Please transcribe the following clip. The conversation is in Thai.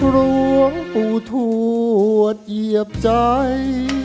ร้องปูถวดเหยียบใจ